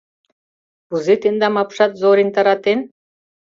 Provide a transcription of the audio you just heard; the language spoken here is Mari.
Кузе тендам апшат Зорин таратен?